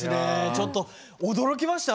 ちょっと驚きました。